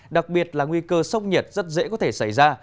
đặc biệt là nguy cơ sốc nhiệt rất dễ có thể xảy ra